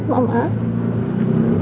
ceritain semuanya sama mama